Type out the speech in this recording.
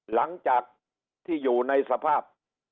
หลังจากที่อยู่ในสภาพ